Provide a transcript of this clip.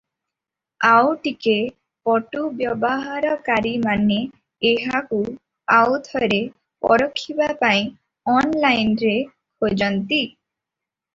ଆଉ ଟିକେ ପଟୁ ବ୍ୟବହାରକାରୀମାନେ ଏହାକୁ ଆଉଥରେ ପରଖିବା ପାଇଁ ଅନଲାଇନରେ ଖୋଜନ୍ତି ।